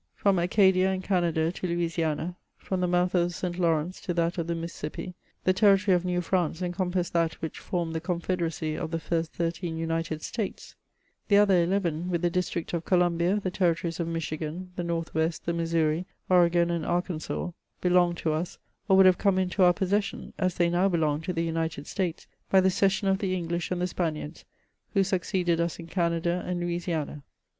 From Acadia and Canada to Louisiana, — from the mouth of the St. Lawrence to that of the Mississippi, the territory of " New France" encom passed that which formed the confederacy of the first thirteen United States, The other eleven, with the district of Columbia, the territories of Michigan, the North West, the Missouri, Ore gon, and Arkansas, belonged to us, or would have come into our possession, as they now belong to the United States by the cession of the English and the Spaniards, who succeeded us in Canada and Louisiana.